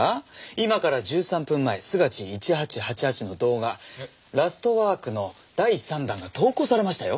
今から１３分前スガチー１８８８の動画『ラストワーク』の第３弾が投稿されましたよ。